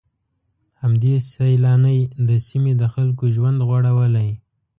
همدې سيلانۍ د سيمې د خلکو ژوند غوړولی.